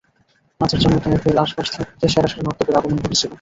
নাচের জন্য তায়েফের আশ-পাশ হতে সেরা সেরা নর্তকীর আগমন ঘটেছিল।